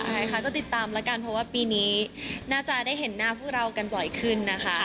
ใช่ค่ะก็ติดตามแล้วกันเพราะว่าปีนี้น่าจะได้เห็นหน้าพวกเรากันบ่อยขึ้นนะคะ